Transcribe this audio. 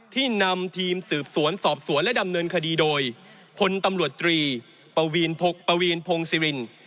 นำทีมสืบสวนสอบสวนและดำเนินคดีโดยพลตำรวจตรีปวีนพงศิริน